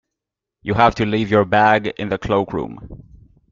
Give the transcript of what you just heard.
You have to leave your bag in the cloakroom